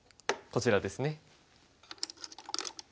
こちらですね。